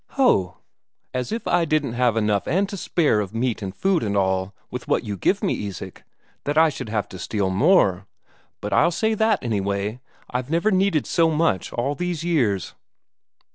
"Ho! As if I didn't have enough and to spare of meat and food and all, with what you give me, Isak, that I should have to steal more? But I'll say that, anyway, I've never needed so much, all these years."